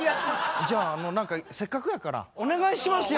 じゃああの何かせっかくやからお願いしますよ